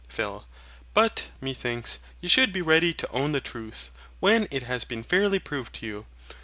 PHIL. But, methinks you should be ready to own the truth, when it has been fairly proved to you.